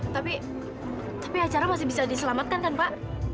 tapi tapi acara masih bisa diselamatkan kan pak